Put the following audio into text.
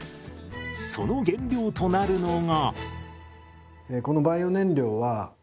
その原料となるのが。